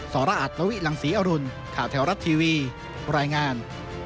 สรอัตลวิหลังศรีอรุณข่าวแถวรัฐทีวีรายงาน